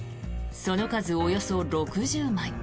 その数およそ６０枚。